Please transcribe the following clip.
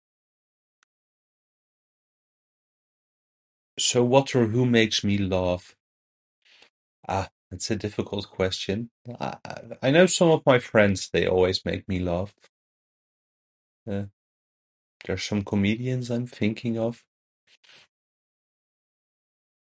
So, what or whom makes me laugh? Ah, It's a difficult question. I I know some of my friends, they always make me laugh. Eh... there's some comedians I'm thinking of.